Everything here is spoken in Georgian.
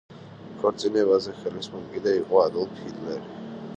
ქორწინებაზე ხელისმომკიდე იყო ადოლფ ჰიტლერი.